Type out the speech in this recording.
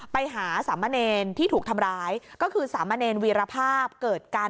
ไปหาสามเมอร์เนรที่ถูกทำร้ายก็คือสามเมอร์เนรวีรภาพเกิดกัน